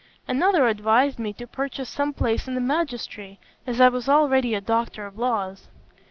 Another advised me to purchase some place in the magistracy, as I was already a Doctor of Laws.